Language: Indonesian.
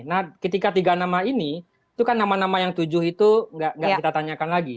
nah ketika tiga nama ini itu kan nama nama yang tujuh itu nggak kita tanyakan lagi